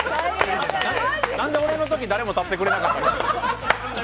なんで俺のとき誰も立ってくれなかった？